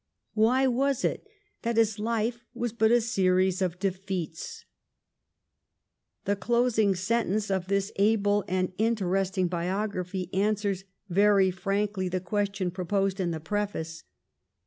Why was it that his life was but a series of defeats ?' The closing sen tence of this able and interesting biography answers very frankly the question proposed in the preface.